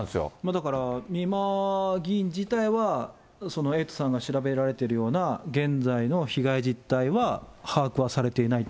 だから、美馬議員自体は、エイトさんが調べられてるような、現在の被害実態は把握はされていない。